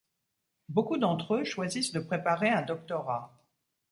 Beaucoup d'entre eux choisissent de préparer un doctorat.